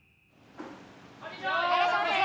いらっしゃいませ！